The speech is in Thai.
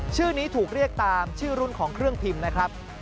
ชื่อนี้ถูกเรียกตามชื่อรุ่นของเครื่องพิมพ์นะครับ